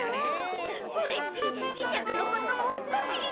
オレっちじしゃくのこともっとしりたい！